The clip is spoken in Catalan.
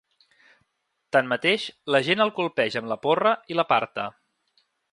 Tanmateix, l’agent el colpeja amb la porra i l’aparta.